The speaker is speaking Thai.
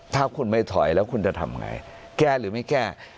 ถ้าคุณไม่ถอยแล้วคุณจะทำไงแก้หรือไม่แก้